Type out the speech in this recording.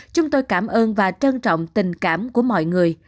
chúng tôi cảm ơn và trân trọng tình cảm của mọi người